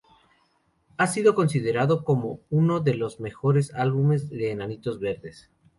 Ha sido considerado como uno de los mejores álbumes de Enanitos Verdes.